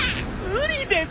無理です！